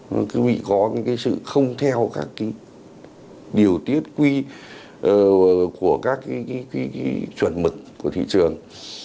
nó cứ vị có cái sự không theo các cái điều tiết quy của các cái chuẩn mực của thị trường